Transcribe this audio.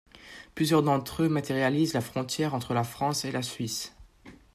Plusieurs d'entre eux matérialisent la frontière entre la France et la Suisse.